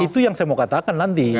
itu yang saya mau katakan nanti